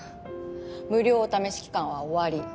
無料お試し期間は終わり。